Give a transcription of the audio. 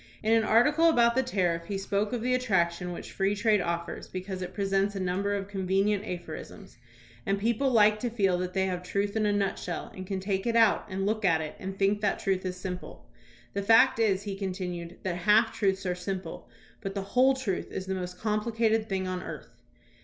In an article about the tariff he spoke of the attraction which free trade offers because it presents a number of conven ient aphorisms, and people like to feel that they have truth in a nutshell and can take it out and look at it and think that truth is simple. "The fact is," he continued, "that half truths are simple, but the whole truth is the most complicated thing on earth."